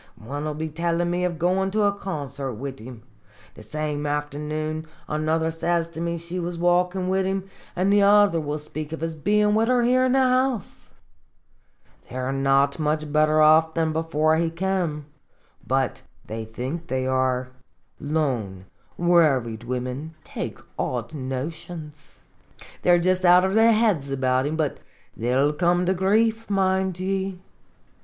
One will be tellin' me of goin' to a concert wid him. The same afternoon another says to me she was walkin' wid him, an' the other will speak of his bein' wid her here in the house ! They are not much better off than before he kem, but they think they are. Lone, worried women take odd notions. They are jist out of their heads about him, but they '11 come to grief, mind ye.